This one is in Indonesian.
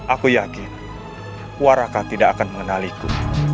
aku yakin warakan tidak akan mengenaliku